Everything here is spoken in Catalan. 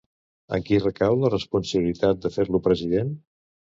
En qui recau la responsabilitat de fer-lo president?